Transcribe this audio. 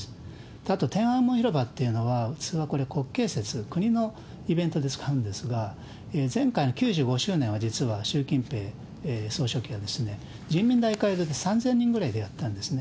あと、天安門広場っていうのは、普通は国慶節、国のイベントなんですが、前回の９５周年は実は習近平総書記は、人民大会で３０００人ぐらいでやったんですね。